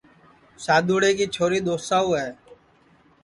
سادُؔوݪے کی چھوری دؔوساؤ ہے